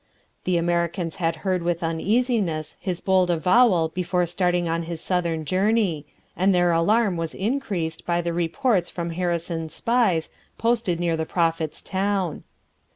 The Americans had heard with uneasiness his bold avowal before starting on his southern journey, and their alarm was increased by the reports from Harrison's spies, posted near the Prophet's town.